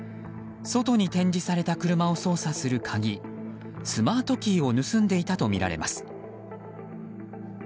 外に展示された車を操作する鍵スマートキーを盗んでいたとみられます。